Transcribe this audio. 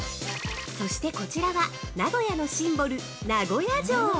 ◆そして、こちらは名古屋のシンボル、名古屋城。